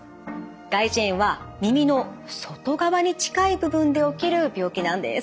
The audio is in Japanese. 外耳炎は耳の外側に近い部分で起きる病気なんです。